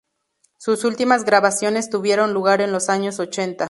Sus últimas grabaciones tuvieron lugar en los años ochenta.